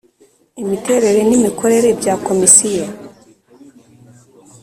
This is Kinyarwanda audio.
imiterere n imikorere bya Komisiyo